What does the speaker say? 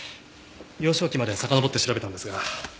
幼少期までさかのぼって調べたんですが。